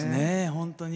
本当に。